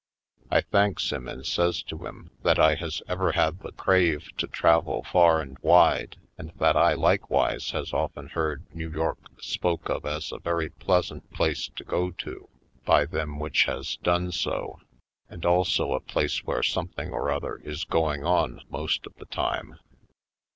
I thanks him and says to him that I has ever had the crave to travel far and v^ide and that I likewise has often heard New York spoke of as a very pleasant place to go to, by them which has done so, and also a place where something or other is going on most of the time.